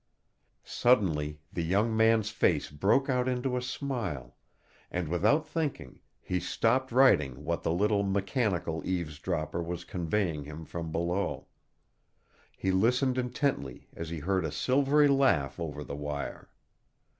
Suddenly the young man's face broke out into a smile and without thinking he stopped writing what the little mechanical eavesdropper was conveying him from below. He listened intently as he heard a silvery laugh over the wire.